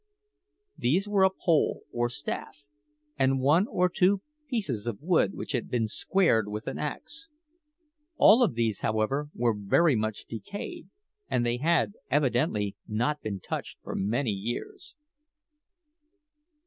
These were a pole or staff, and one or two pieces of wood which had been squared with an axe. All of these were, however, very much decayed, and they had evidently not been touched for many years.